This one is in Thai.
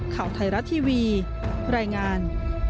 ข่าวไทยรัฐทีวีรายงาน